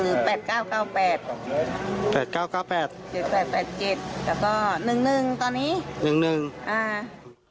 แล้วก็๑๑ตอนนี้